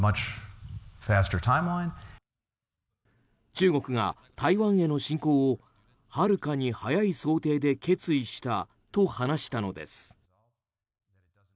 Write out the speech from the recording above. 中国が台湾への進攻をはるかに早い想定で決意したと話したのです。